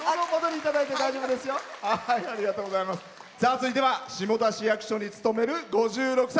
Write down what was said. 続いては下田市役所に勤める５６歳。